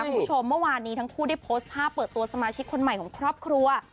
คุณผู้ชมเมื่อวานนี้ทั้งคู่ได้โพสต์ภาพเปิดตัวสมาชิกคนใหม่ของครอบครัว